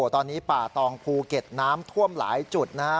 ตอนนี้ป่าตองภูเก็ตน้ำท่วมหลายจุดนะฮะ